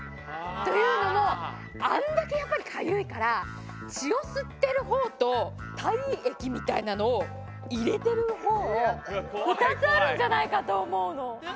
というのもあんだけやっぱりかゆいから血を吸ってる方と体液みたいなのを入れてる方２つあるんじゃないかと思うの。